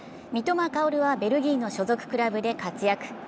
三笘薫はベルギーの所属クラブで活躍。